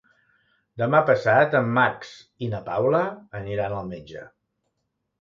Demà passat en Max i na Paula aniran al metge.